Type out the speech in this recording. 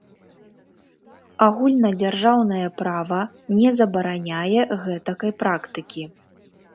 Агульнадзяржаўнае права не забараняе гэтакай практыкі.